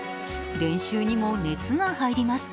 練習にも熱が入ります。